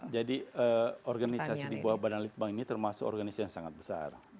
jadi organisasi di bawah badan litbang ini termasuk organisasi yang sangat besar